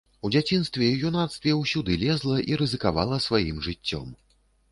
У дзяцінстве і юнацтве ўсюды лезла і рызыкавала сваім жыццём.